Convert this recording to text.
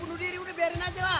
lo pengen mati juga